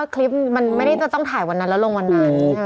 คลิปมันไม่ได้จะต้องถ่ายวันนั้นแล้วลงวันนั้น